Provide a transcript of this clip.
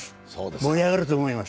盛り上がると思います。